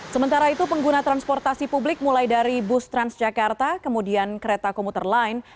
sementara itu pengguna transportasi publik mulai dari bus transjakarta kemudian kereta komuter lain